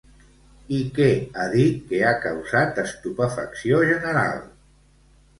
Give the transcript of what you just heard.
I què ha dit, que ha causat estupefacció general?